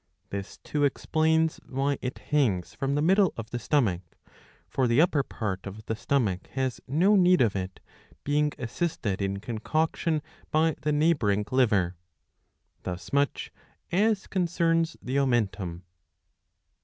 .This too explains why it hangs from the middle of the stomach ; for the upper part of the stomach has no need of it, being assisted in concoction by the neighbouring liver. Thus much as concerns the omentum.